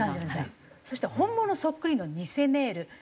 そして本物そっくりの偽メール。